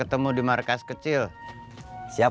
internet cara mu statistik